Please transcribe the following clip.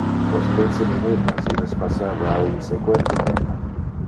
Post dece minutas illes passava a un sequente thema.